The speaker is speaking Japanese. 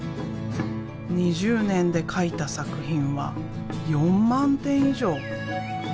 ２０年で描いた作品は４万点以上。